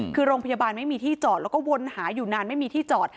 คือโรงพยาบาลไม่มีที่จอดแล้วก็วนหาอยู่นานไม่มีที่จอด